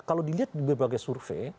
kalau dilihat di berbagai survei